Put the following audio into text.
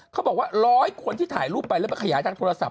เขาบอกว่า๑๐๐คนที่ถ่ายรูปไปแล้วไปขยายทางโทรศัพ